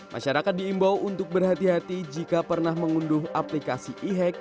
masyarakat diimbau untuk berhati hati jika pernah mengunduh aplikasi e hack